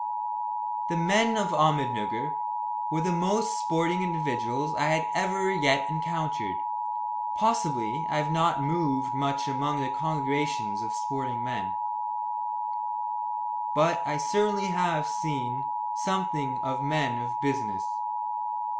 The men of Ahmednugger were the most sporting individuals I had ever yet encountered. Possibly I have not moved much among the congregations of the sporting men, but I certainly have seen something of men of business.